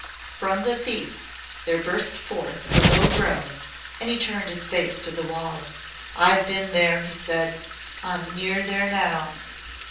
From the thief there burst forth a low groan and he turned his face to the wall. "I've been there," he said; "I 'm near there now."